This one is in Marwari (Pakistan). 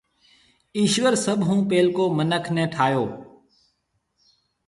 ايشوَر سڀ هون پيلڪو مِنک نَي ٺاھيَََو